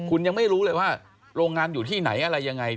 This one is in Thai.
คุณยังไม่รู้เลยว่าโรงงานอยู่ที่ไหนอะไรยังไง